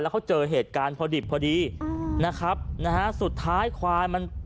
แล้วเขาเจอเหตุการณ์พอดิบพอดีอ้าวนะครับนะฮะสุดท้ายขวายมันต้อง